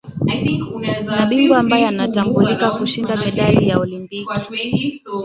ni bingwa ambae anatambulika kushinda medali ya olimpiki